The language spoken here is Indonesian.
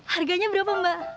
harganya berapa mbak